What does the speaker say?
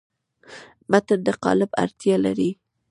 متن د قالب اړتیا لري.